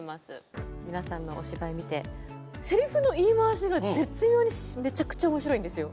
皆さんのお芝居見てせりふの言い回しが絶妙にめちゃくちゃ面白いんですよ。